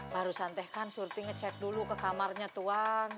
baru santai kan surti ngecek dulu ke kamarnya tuhan